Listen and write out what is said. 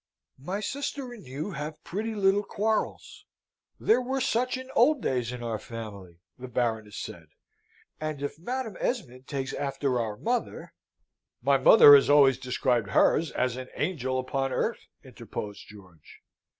"My sister and you have pretty little quarrels. There were such in old days in our family," the Baroness said; "and if Madam Esmond takes after our mother " "My mother has always described hers as an angel upon earth," interposed George.